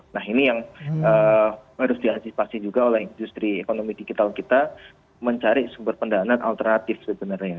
nah ini yang harus diantisipasi juga oleh industri ekonomi digital kita mencari sumber pendanaan alternatif sebenarnya